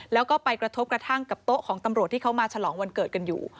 แล้วก็ไปกระทบกระทั่งกับโต๊ะของตำรวจที่เขามาฉลองวันเกิดกันอยู่